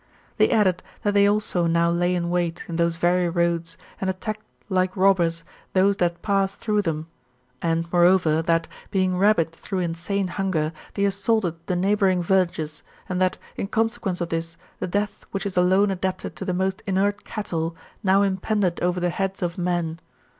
They added, that they also now lay in wait, in those very roads, and attacked, like robbers, those that passed through them ;^ s GOLDEN ASS, OF APULEIUS. — BOOK VIII. 131 and, moreover, that, being rabid through insane hunger, they assaulted the neighbouring villages, and that, in consequence of this, the death which is alone adapted to the most inert cattle, now impended over the heads of men.